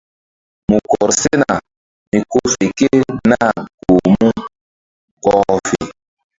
Mu kɔr sena mi ko fe ke nah goh mu gɔh fe.